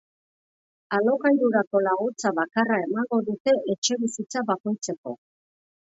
Alokairurako laguntza bakarra emango dute etxebizitza bakoitzeko.